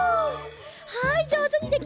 はいじょうずにできました！